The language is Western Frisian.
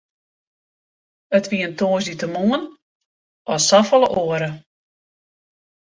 It wie in tongersdeitemoarn as safolle oare.